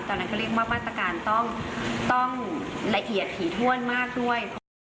ตอนนั้นเขาเรียกว่ามาตรการต้องละเอียดถี่ถ้วนมากด้วย